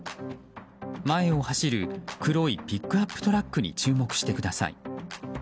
前を走る黒いピックアップトラックに注目してください。